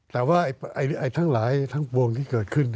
แต่ว่าทั้งหลายทั้งปวงที่เกิดขึ้น